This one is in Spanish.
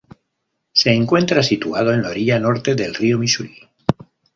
Se encuentra situado en la orilla norte del río Misuri.